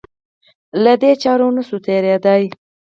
له دې چارې نه شو تېرېدای.